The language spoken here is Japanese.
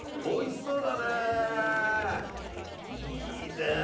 おいしそうだね！